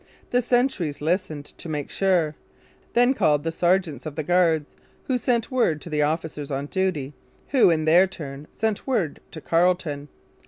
The sentries listened to make sure; then called the sergeants of the guards, who sent word to the officers on duty, who, in their turn, sent word to Carleton.